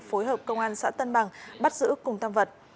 phối hợp công an xã tân bằng bắt giữ cùng tam vật